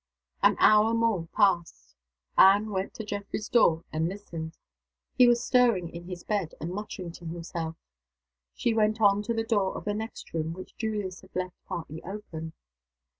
An hour more passed. Anne went to Geoffrey's door and listened. He was stirring in his bed, and muttering to himself. She went on to the door of the next room, which Julius had left partly open.